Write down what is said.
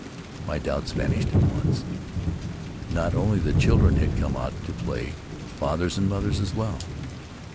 My doubts vanished at once. Not only the children had come out to play; fathers and mothers, as well.